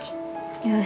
よし！